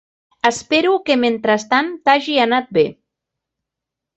Espero que mentrestant t'hagi anat bé.